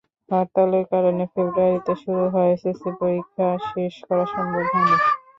হরতালের কারণে ফেব্রুয়ারিতে শুরু হওয়া এসএসসি পরীক্ষা শেষ করা সম্ভব হয়নি।